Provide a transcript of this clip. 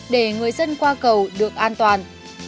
để người dân qua cầu được an toàn